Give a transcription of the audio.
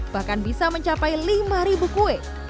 bahkan bisa mencapai lima kue